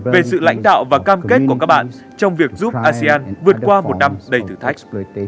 về sự lãnh đạo và cam kết của các bạn trong việc giúp asean vượt qua một năm đầy thử thách